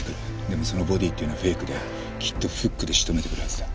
でもそのボディーっていうのはフェイクできっとフックで仕留めてくるはずだ。